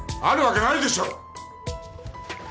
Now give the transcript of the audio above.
あるわけないでしょ。